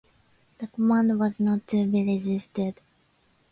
The command was not to be resisted.